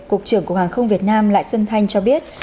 cục trưởng cục hàng không việt nam lại xuân thanh cho biết